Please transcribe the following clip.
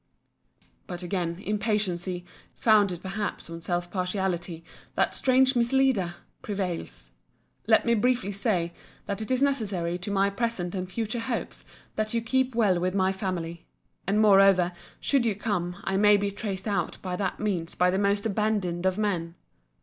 But again, impatiency, founded perhaps on self partiality, that strange misleader! prevails. Let me briefly say, that it is necessary to my present and future hopes that you keep well with my family. And moreover, should you come, I may be traced out by that means by the most abandoned of men.